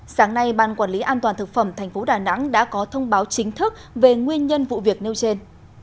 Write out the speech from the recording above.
sáng nay ban quản lý an toàn thực phẩm tp đà nẵng đã có thông báo chính thức về nguyên nhân vụ việc nêu trên